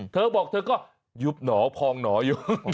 เธอบอกเธอก็ยุบหนอพองหนออยู่